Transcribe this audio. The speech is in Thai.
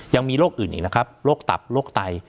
ยังมีโรคอื่นอีกนะครับโรคตับโรคไต